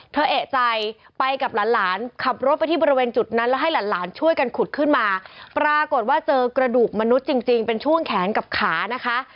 เอกใจไปกับหลานขับรถไปที่บริเวณจุดนั้นแล้วให้หลานช่วยกันขุดขึ้นมาปรากฏว่าเจอกระดูกมนุษย์จริงเป็นช่วงแขนกับขานะคะ